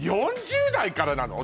４０代からなの？